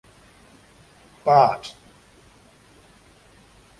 Bart.